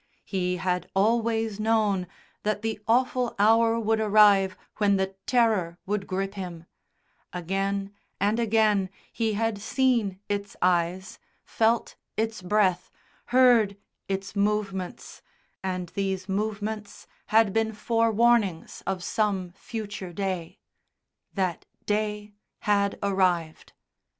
He had always known that the awful hour would arrive when the Terror would grip him; again and again he had seen its eyes, felt its breath, heard its movements, and these movements had been forewarnings of some future day. That day had arrived.